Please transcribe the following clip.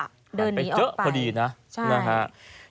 หันไปเจ๊ะพอดีนะใช่